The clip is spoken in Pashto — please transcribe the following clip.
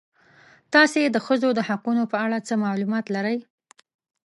تاسې د ښځو د حقونو په اړه څه معلومات لرئ؟